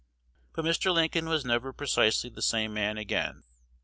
But Mr. Lincoln was never precisely the same man again.